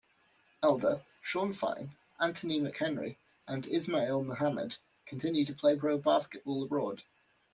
Elder, Shaun Fein, Anthony McHenry and Isma'il Muhammad continue to play pro basketball abroad.